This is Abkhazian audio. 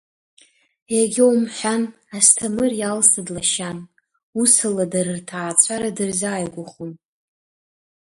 Иагьа умҳәан, Асҭамыр Иалса длашьан, ус ала дара рҭаацәара дырзааигәахон.